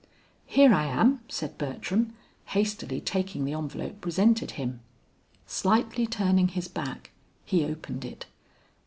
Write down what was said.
"Here I am," said Bertram, hastily taking the envelope presented him. Slightly turning his back, he opened it.